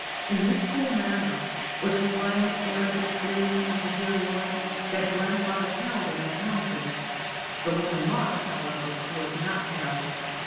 In this cool manner, with a quiet air of experience and superiority, did grandfather cow the man Tomkins. The woman Marks, however, was not cowed.